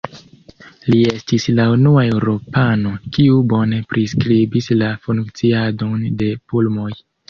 Li estis la unua eŭropano, kiu bone priskribis la funkciadon de pulmoj.